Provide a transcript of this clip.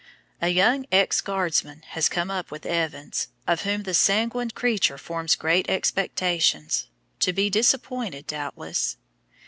A young ex Guardsman has come up with Evans, of whom the sanguine creature forms great expectations, to be disappointed doubtless.